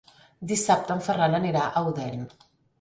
Dissabte en Ferran anirà a Odèn.